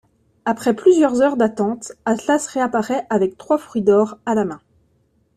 Après plusieurs heures d'attente, Atlas réapparaît avec trois fruits d'or à la main.